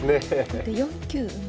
後手４九馬。